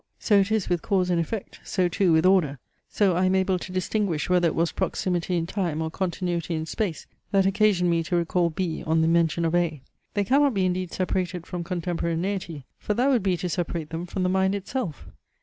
So it is with cause and effect: so too with order. So I am able to distinguish whether it was proximity in time, or continuity in space, that occasioned me to recall B on the mention of A. They cannot be indeed separated from contemporaneity; for that would be to separate them from the mind itself.